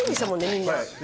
みんな。